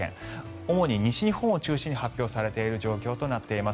主に西日本を中心に発表されている状況となっています。